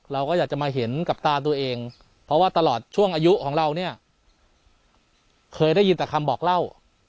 เราก็อยากจะมาเห็นกับตาตัวเองเพราะว่าตลอดช่วงอายุของเราเนี่ยเคยได้ยินแต่คำบอกเล่า